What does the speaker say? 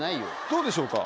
どうでしょうか？